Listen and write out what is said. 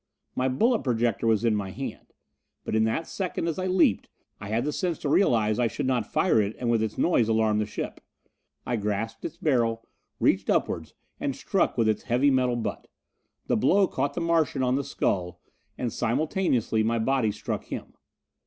My bullet projector was in my hand. But in that second as I leaped, I had the sense to realize I should not fire it and with its noise alarm the ship. I grasped its barrel, reached upward and struck with its heavy metal butt. The blow caught the Martian on the skull, and simultaneously my body struck him.